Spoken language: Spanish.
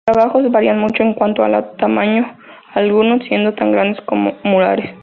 Los trabajos varían mucho en cuanto a tamaño, algunos siendo tan grandes como murales.